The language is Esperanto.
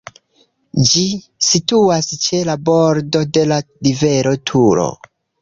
Ĝi situas ĉe la bordo de la rivero Turo.